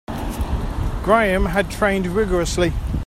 Graham had trained rigourously.